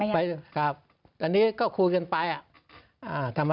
ไปครับอันนี้ก็คุยกันไปธรรมดา